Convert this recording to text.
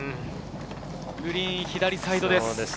グリーン、左サイドです。